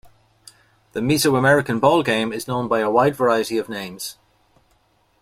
The Mesoamerican ballgame is known by a wide variety of names.